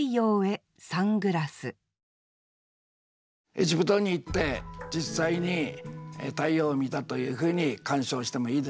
エジプトに行って実際に太陽を見たというふうに鑑賞してもいいでしょう。